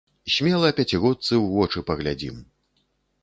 Смела пяцігодцы ў вочы паглядзім.